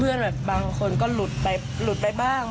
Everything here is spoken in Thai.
แบบบางคนก็หลุดไปหลุดไปบ้าง